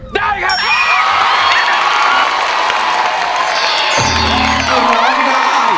โปรดติดตามตอนต่อไป